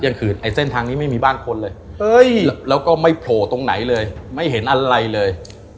คืนไอ้เส้นทางนี้ไม่มีบ้านคนเลยแล้วก็ไม่โผล่ตรงไหนเลยไม่เห็นอะไรเลย